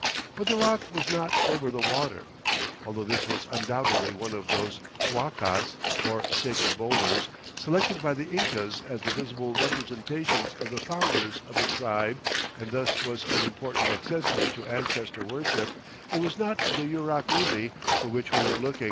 But the rock was not "over the water." Although this was undoubtedly one of those huacas, or sacred boulders, selected by the Incas as the visible representations of the founders of a tribe and thus was an important accessory to ancestor worship, it was not the Yurak Rumi for which we were looking.